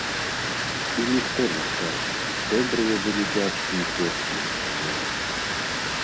І ніхто не скажа, добрыя былі дзядзькі і цёткі ці не.